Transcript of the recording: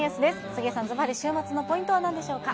杉江さん、ずばり週末のポイントはなんでしょうか。